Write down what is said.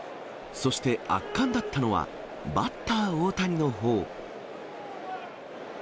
そして、圧巻だったのはバッター大谷のほう。